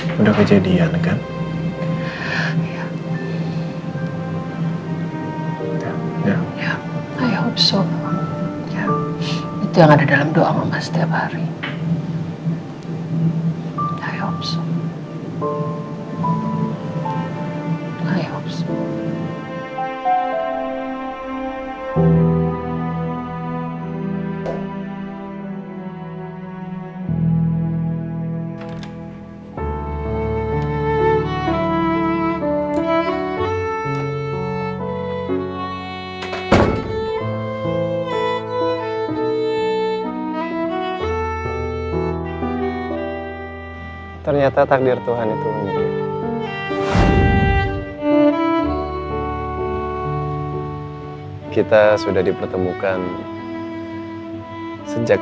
mudah mudahan masih bisa dipake buat bayi kamu nanti kelat